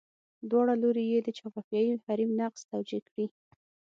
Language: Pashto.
دواړه لوري یې د جغرافیوي حریم نقض توجیه کړي.